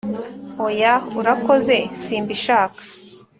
oya, urakoze simbishaka.